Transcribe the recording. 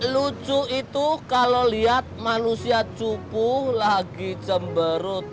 lucu itu kalau lihat manusia cupu lagi jember